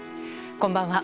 こんばんは。